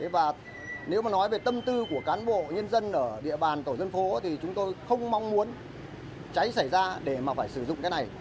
và nếu mà nói về tâm tư của cán bộ nhân dân ở địa bàn tổ dân phố thì chúng tôi không mong muốn cháy xảy ra để mà phải sử dụng cái này